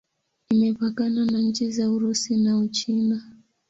Imepakana na nchi za Urusi na Uchina.